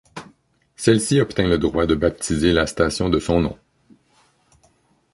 Celle-ci obtint le droit de baptiser la station de son nom.